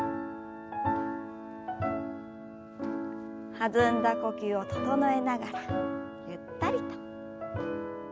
弾んだ呼吸を整えながらゆったりと。